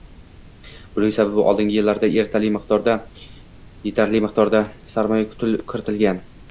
Buning sababi, oldingi yillarda etarli miqdorda sarmoya kiritilmagan